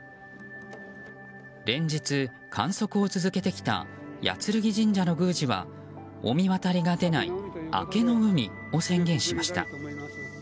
連日、観測を続けてきた八剱神社の宮司は御神渡りが出ない明けの海を宣言しました。